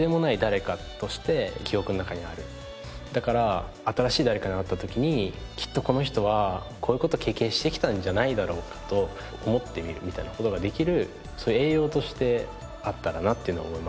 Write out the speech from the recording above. だから新しい誰かに会った時にきっとこの人はこういう事を経験してきたんじゃないだろうかと思ってみるみたいな事ができるそういう栄養としてあったらなっていうのを思いますね